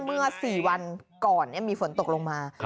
มึงต้องจอดเมลงนะ